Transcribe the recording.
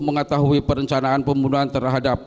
mengetahui perencanaan pembunuhan terhadap